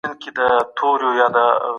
ملي شورا سیاسي پناه نه ورکوي.